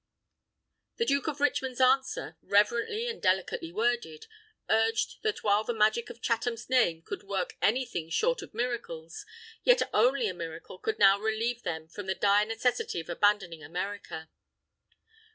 The Duke of Richmond's answer, reverently and delicately worded, urged that while the magic of Chatham's name could work anything short of miracles, yet only a miracle could now relieve them from the dire necessity of abandoning America.